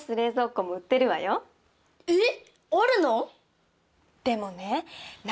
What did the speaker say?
えっ？